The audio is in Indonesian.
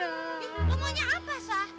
eh omongnya apa sah